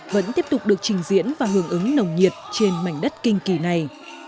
vẫn tiếp tục được trình diễn và hưởng ứng nồng nhiệt trên mảnh đất kinh kỳ này